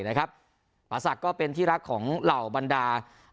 ไทยนะครับปะศักดิ์ก็เป็นที่รักของเหล่าบรรดา